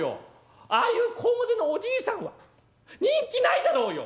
ああいうこわもてのおじいさんは人気ないだろうよ！